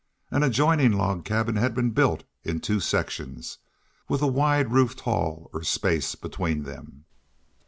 An adjoining log cabin had been built in two sections, with a wide roofed hall or space between them.